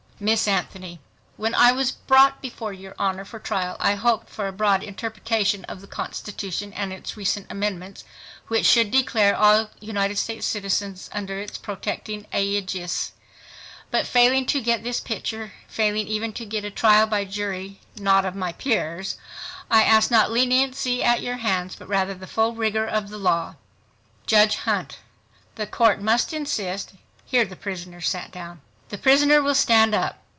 Miss ANTHONY—When I was brought before your Honor for trial I hoped for a broad interpretation of the constitution and its recent amendments, which should declare all United States citizens under its protecting aegis .... But failing to get this justice, failing even to get a trial by a jury not of my peers I ask not leniency at your hands but rather the full rigor of the law. JUDGE HUNT—The Court must insist (here the prisoner sat down). The prisoner will stand up.